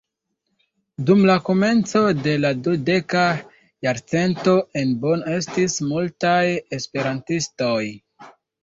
Dum la komenco de la dudeka jarcento en Bono estis multaj esperantistoj.